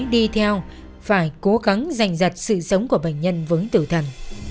bác sĩ đi theo phải cố gắng giành dặt sự sống của bệnh nhân vững tử thần